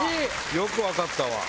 よく分かったわ。